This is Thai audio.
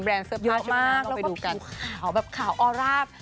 แบรนด์เสื้อผ้าชุดว่ายน้ำเราไปดูกันเยอะมากแล้วก็ผิวขาวแบบขาวออราฟ